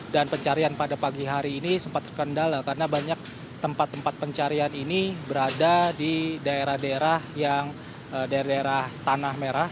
dan pencarian pada pagi hari ini sempat terkendala karena banyak tempat tempat pencarian ini berada di daerah daerah tanah merah